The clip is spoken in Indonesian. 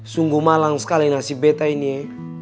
sungguh malang sekali nasib betta ini ya